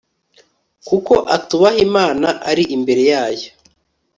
kuko atubaha imana ari imbere yayo